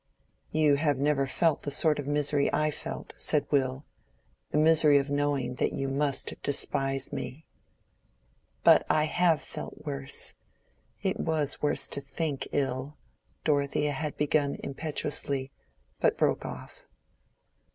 "You have never felt the sort of misery I felt," said Will; "the misery of knowing that you must despise me." "But I have felt worse—it was worse to think ill—" Dorothea had begun impetuously, but broke off.